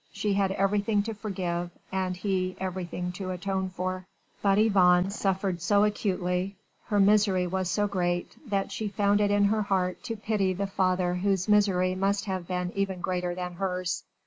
She had everything to forgive, and he everything to atone for: but Yvonne suffered so acutely, her misery was so great that she found it in her heart to pity the father whose misery must have been even greater than hers.